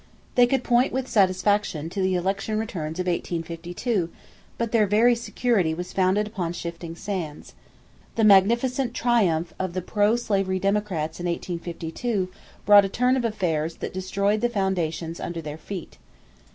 They could point with satisfaction to the election returns of 1852; but their very security was founded upon shifting sands. The magnificent triumph of the pro slavery Democrats in 1852 brought a turn in affairs that destroyed the foundations under their feet.